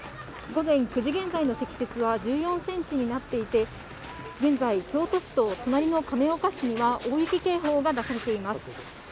午前９時現在の積雪は１４センチになっていて、現在、京都市と隣の亀岡市には大雪警報が出されています。